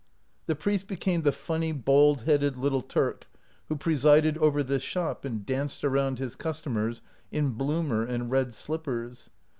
The priest became the funny ball headed little Turk who presided over this shop and danced around his customers in bloomer and red slippers.